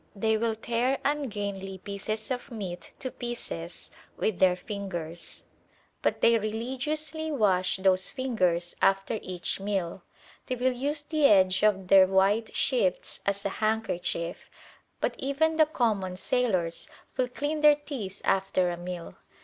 They will tear ungainly pieces of meat to pieces with their fingers; but they religiously wash those fingers after each meal. They will use the edge of their white shifts as a handkerchief; but even the common sailors will clean their teeth after a meal.